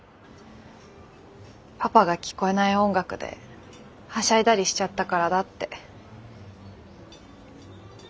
パパが聞こえない音楽ではしゃいだりしちゃったからだって。